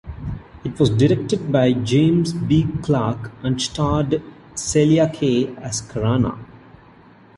It was directed by James B. Clark and starred Celia Kaye as Karana.